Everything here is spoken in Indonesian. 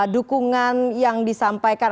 dukungan yang disampaikan